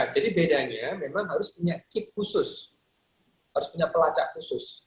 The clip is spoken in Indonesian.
jadi bedanya memang harus punya kit khusus harus punya pelacak khusus